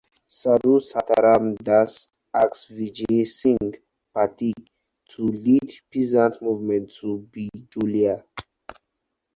Sadhu Sitaram Das asked Vijay Singh Pathik to lead peasants movement of Bijolia.